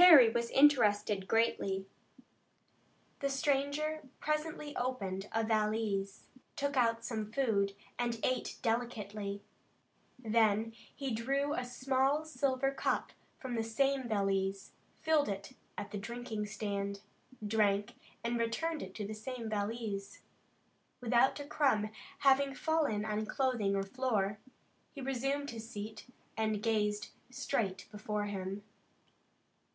Harry was interested greatly. The stranger presently opened a valise, took out some food and ate delicately. Then he drew a small silver cup from the same valise, filled it at the drinking stand, drank and returned it to the valise. Without a crumb having fallen on clothing or floor, he resumed his seat and gazed straight before him.